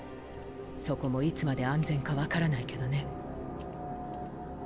そこもいつまで安全か分からないけどね。